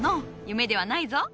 夢ではないぞ。